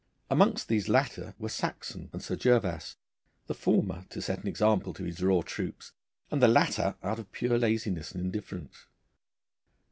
Amongst these latter were Saxon and Sir Gervas, the former to set an example to his raw troops, and the latter out of pure laziness and indifference.